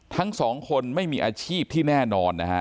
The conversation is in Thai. ทั้งสองคนไม่มีอาชีพที่แน่นอนนะฮะ